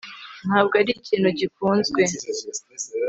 ntabwo ari ikintu gikunzwe